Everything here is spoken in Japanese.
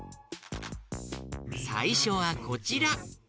さいしょはこちら。